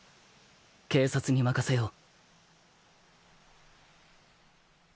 警察に任せよう。